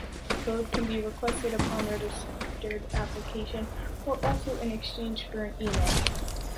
The code can be requested upon registered application or also in exchange for an email.